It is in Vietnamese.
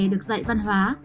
được dạy văn hóa